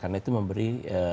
karena itu memberi